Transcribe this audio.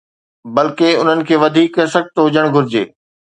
بلڪه، انهن کي وڌيڪ سخت هجڻ گهرجي.